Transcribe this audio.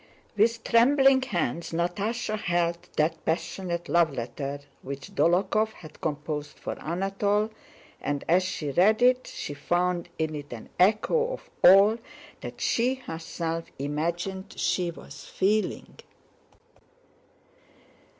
With trembling hands Natásha held that passionate love letter which Dólokhov had composed for Anatole, and as she read it she found in it an echo of all that she herself imagined she was feeling.